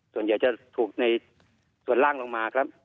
ส่วนใหญ่จะถูกในส่วนล่างลงมาครับ